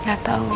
nggak tau nen